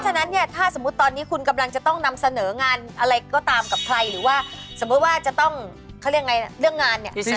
ฉะนั้นเนี่ยถ้าสมมุติตอนนี้คุณกำลังจะต้องนำเสนองานอะไรก็ตามกับใครหรือว่าสมมุติว่าจะต้องเขาเรียกไงเรื่องงานเนี่ย